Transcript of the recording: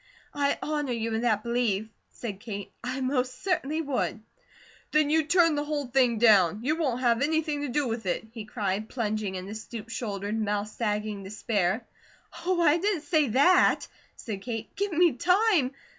"I honour you in that belief," said Kate. "I most certainly would." "Then you turn the whole thing down? You won't have anything to do with it?" he cried, plunging into stoop shouldered, mouth sagging despair. "Oh, I didn't SAY that!" said Kate. "Give me time!